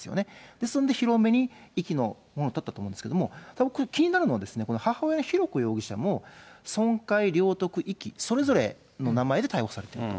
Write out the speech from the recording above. ですので、広めに遺棄だったと思うんですけれども、気になるのは、この母親の浩子容疑者も、損壊、領得、遺棄、それぞれの名前で逮捕されていると。